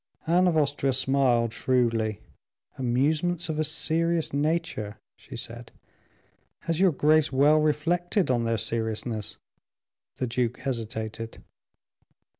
Anne of Austria smiled shrewdly. "Amusements of a serious nature?" she said. "Has your Grace well reflected on their seriousness?" The duke hesitated.